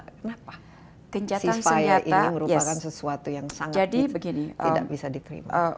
kenapa ceasefire ini merupakan sesuatu yang sangat tidak bisa diterima